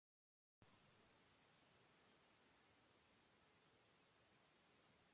شهوترانی